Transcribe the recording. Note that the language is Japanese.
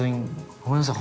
ごめんなさい。